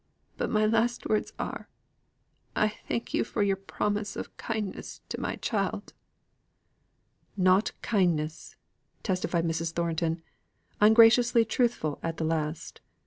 But my last words are, I thank you for your promise of kindness to my child." "Not kindness!" testified Mrs. Thornton, ungraciously truthful to the last.